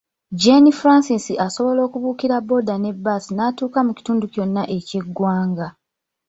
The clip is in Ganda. Jane Frances asobola okubuukira booda ne bbaasi n'atuuka mu kitundu kyonna eky’eggwanga.